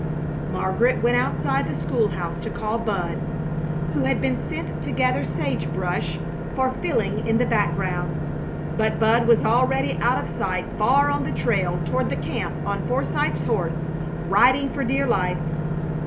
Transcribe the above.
Margaret went outside the school house to call Bud, who had been sent to gather sage brush for filling in the background, but Bud was already out of sight far on the trail toward the camp on Forsythe's horse, riding for dear life.